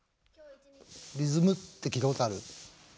リズムって聞いたことある？